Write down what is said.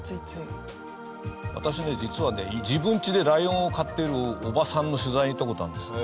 私ね実はね自分家でライオンを飼ってるおばさんの取材に行った事あるんですよ。